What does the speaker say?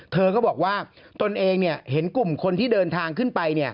เธอก็บอกว่าตนเองเห็นกลุ่มคนที่เดินทางขึ้นไป